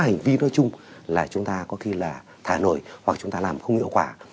hành vi nói chung là chúng ta có khi là thả nổi hoặc chúng ta làm không hiệu quả